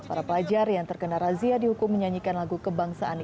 para pelajar yang terkena razia dihukum menyanyikan lagu kebangsaan